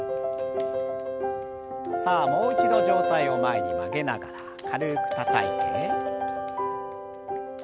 さあもう一度上体を前に曲げながら軽くたたいて。